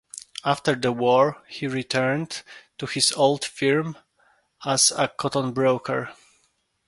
After the war, he returned to his old firm as a cotton broker.